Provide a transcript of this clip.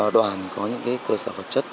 đoàn có những cơ sở vật chất